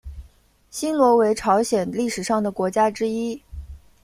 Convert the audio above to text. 新罗为朝鲜历史上的国家之一。